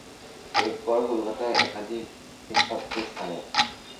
এরপর কলকাতার একাধিক শিক্ষা প্রতিষ্ঠানে।